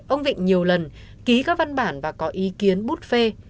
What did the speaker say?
ông vịnh nhiều lần ký các văn bản và có ý kiến bút phê